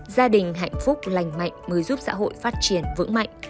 gia đình hạnh phúc lành mạnh mới giúp xã hội phát triển vững mạnh